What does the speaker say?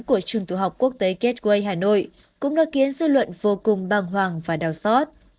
của trường tiểu học quốc tế gateway hà nội cũng đã khiến dư luận vô cùng bàng hoàng và đau xót